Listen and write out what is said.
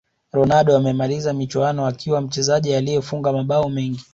ronaldo amemaliza michuano akiwa mchezaji aliyefunga mabao mengi